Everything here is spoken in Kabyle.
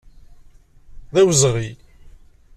D awezɣi.